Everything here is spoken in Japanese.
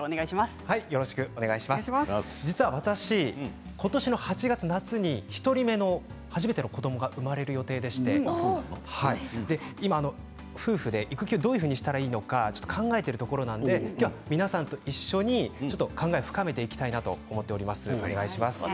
実は私、今年の８月夏に１人目の初めての子どもが生まれる予定でして今、夫婦で育休をどうしたらいいのか考えているところなので今日は皆さんと一緒に考えを深めていきたいなと思っております。